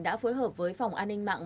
đã phối hợp với phòng an ninh mạng